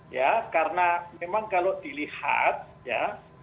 ya karena memang kalau dilihat ya